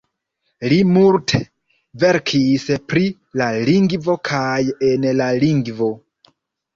Li multe verkis pri la lingvo kaj en la lingvo.